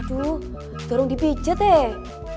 aduh dorong dibijet deh